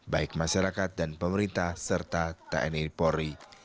baik masyarakat dan pemerintah serta tni polri